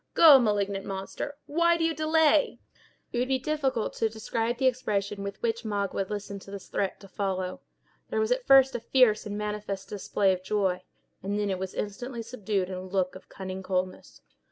Go, malignant monster—why do you delay?" It would be difficult to describe the expression with which Magua listened to this threat to follow. There was at first a fierce and manifest display of joy, and then it was instantly subdued in a look of cunning coldness.